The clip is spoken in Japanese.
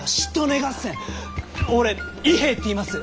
俺伊兵衛っていいます！